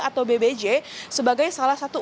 atau bbj sebagai salah satu